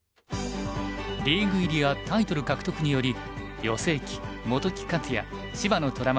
リーグ入りやタイトル獲得により余正麒本木克弥芝野虎丸